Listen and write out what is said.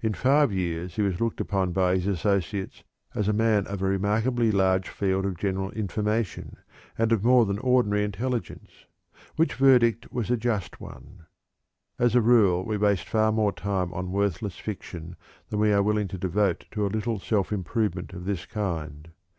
In five years he was looked upon by his associates as a man of a remarkably large field of general information and of more than ordinary intelligence, which verdict was a just one. As a rule we waste far more time on worthless fiction than we are willing to devote to a little self improvement of this kind.